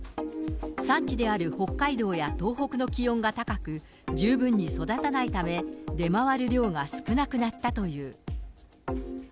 産地である北海道や東北の気温が高く、十分に育たないため、出回る量が少なくなったという。